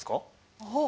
ああ！